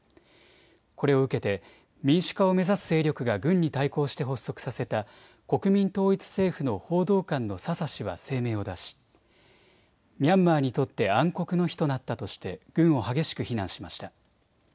これを受けて民主化を目指す勢力が軍に対抗して発足させた国民統一政府の報道官のササ氏は声明を出し、ミャンマーにとって暗黒の日となったとして軍を激しく非難しました。